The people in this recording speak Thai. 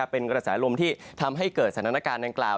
เป็นกระแสลมที่ทำให้เกิดสถานการณ์ดังกล่าว